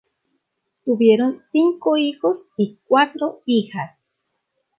Tuvieron cinco hijos y cuatro hijas.